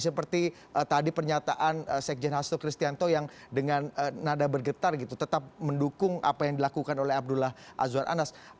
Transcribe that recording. seperti tadi pernyataan sekjen hasto kristianto yang dengan nada bergetar gitu tetap mendukung apa yang dilakukan oleh abdullah azwar anas